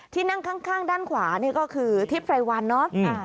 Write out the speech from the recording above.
ที่นั่งข้างด้านขวานี่ก็คือทิพย์ไพรวันเนาะ